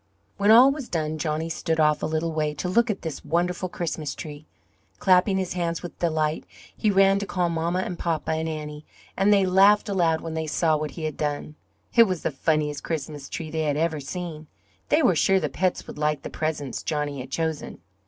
When all was done, Johnny stood off a little way to look at this wonderful Christmas tree. Clapping his hands with delight, he ran to call papa and mamma and Annie, and they laughed aloud when they saw what he had done. It was the funniest Christmas tree they had ever seen. They were sure the pets would like the presents Johnny had chosen.